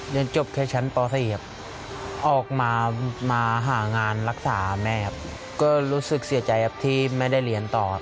จะจบแค่ชั้นปศออกมามาหางานรักษาแม่ก็รู้สึกเสียใจที่ไม่ได้เหลียนต่อ